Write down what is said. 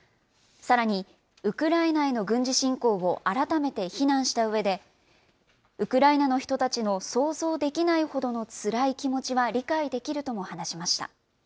さらに、ウクライナへの軍事侵攻を改めて非難したうえで、ウクライナの人たちの想像できないほどのつらい気持ちは理解できるとも話しました。